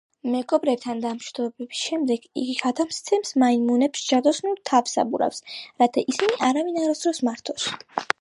მეგობრებთან დამშვიდობების შემდეგ იგი გადასცემს მაიმუნებს ჯადოსნურ თავსაბურავს, რათა ისინი არავინ არასოდეს მართოს.